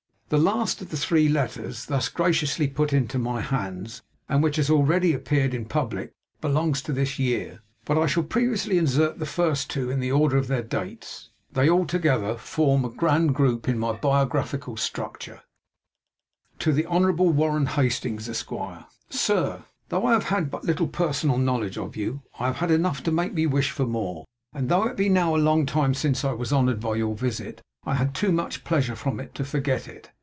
The last of the three letters thus graciously put into my hands, and which has already appeared in publick, belongs to this year; but I shall previously insert the first two in the order of their dates. They altogether form a grand group in my biographical picture. TO THE HONOURABLE WARREN HASTINGS, ESQ. 'SIR, Though I have had but little personal knowledge of you, I have had enough to make me wish for more; and though it be now a long time since I was honoured by your visit, I had too much pleasure from it to forget it.